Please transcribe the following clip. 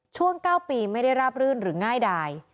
ช่วง๙ปีไม่ได้ราบรื่นหรือง่ายดาย